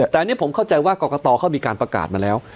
แต่อันนี้ผมเข้าใจว่ากรกตเขามีการประกาศมาแล้ว